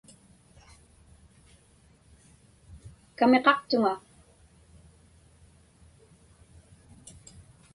Kamiqaqtuŋa.